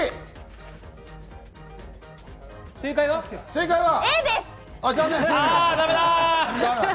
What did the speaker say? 正解は？